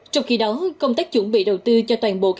trong khi đó công tác chuẩn bị đầu tư cho toàn bộ